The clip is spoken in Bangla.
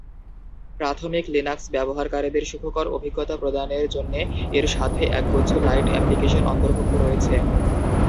প্রাথমিক লিনাক্স ব্যবহারকারীদের সুখকর অভিজ্ঞতা প্রদানের জন্যে এর সাথে একগুচ্ছ "লাইট এপ্লিকেশন" অন্তর্ভুক্ত রয়েছে।